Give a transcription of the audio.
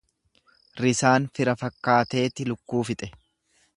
Risaan fira fakkaateeti lukkuu fixe.